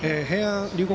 龍谷